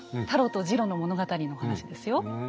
タロとジロの物語の話ですよ。